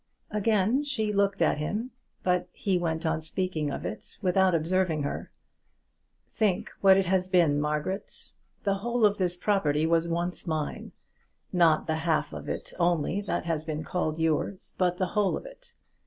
Again she looked at him, but he went on speaking of it without observing her. "Think what it has been, Margaret! The whole of this property was once mine! Not the half of it only that has been called yours, but the whole of it!